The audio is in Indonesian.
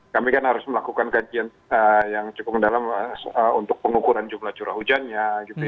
kami kan harus melakukan kajian yang cukup dalam untuk pengukuran jumlah curah hujannya